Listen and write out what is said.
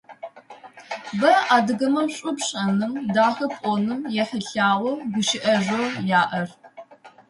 Бэ адыгэмэ шӏу пшӏэным, дахэ пӏоным ехьылӏагъэу гущыӏэжъэу яӏэр.